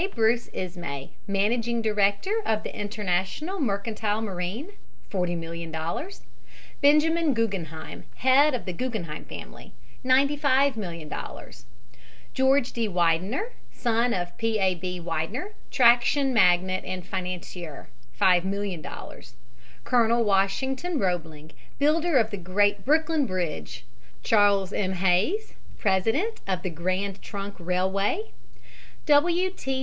Bruce Ismay, managing director of the International Mercantile Marine ($40,000,000); Benjamin Guggenheim, head of the Guggenheim family ($95,000,000): George D. Widener, son of P. A. B. Widener, traction magnate and financier ($5,000,000); Colonel Washington Roebling, builder of the great Brooklyn Bridge; Charles M. Hays, president of the Grand Trunk Railway; W. T.